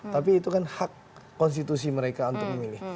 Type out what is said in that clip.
tapi itu kan hak konstitusi mereka untuk memilih